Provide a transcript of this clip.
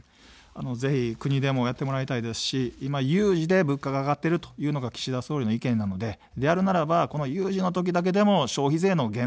ぜひ国でもやってもらいたいですし、今、有事で物価が上がっているというのが岸田総理の意見なので、であるならば有事の時だけでも消費税の減税。